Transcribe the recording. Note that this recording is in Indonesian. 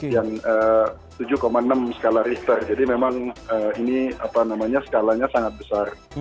yang tujuh enam skala richter jadi memang ini skalanya sangat besar